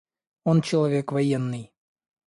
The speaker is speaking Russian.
Он человек военный.